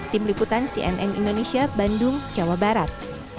tim liputan cnn indonesia bandung jawa barat